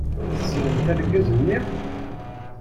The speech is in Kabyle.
Tessnemt argaz-nni?